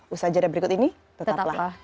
usaha jadwal berikut ini tetaplah